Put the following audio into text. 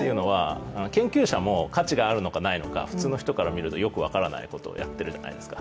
研究者も価値があるのかないのか、普通の人からみるとよく分からないことをやっているじゃないですか。